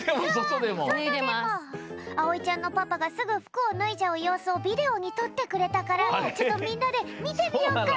あおいちゃんのパパがすぐ服をぬいじゃうようすをビデオにとってくれたからちょっとみんなでみてみよっか！